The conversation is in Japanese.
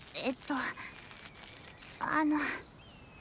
えっとあの。